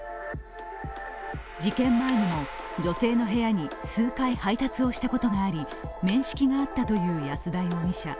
事件前にも、女性の部屋に数回配達をしたことがあり面識があったという安田容疑者。